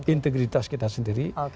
integritas kita sendiri